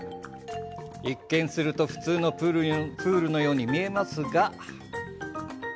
一見すると普通のプールのように見えますが。